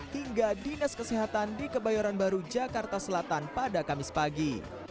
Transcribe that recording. hingga dinas kesehatan di kebayoran baru jakarta selatan pada kamis pagi